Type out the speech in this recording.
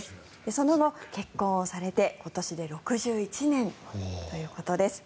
その後、結婚をされて今年で６１年ということです。